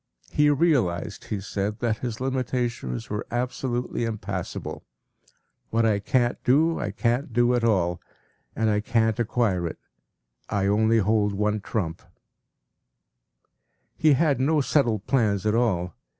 He realized, he said, that his limitations were absolutely impassable. “What I can’t do, I can’t do at all, and I can’t acquire it. I only hold one trump.” He had no settled plans at all.